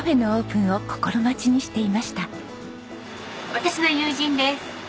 私の友人です。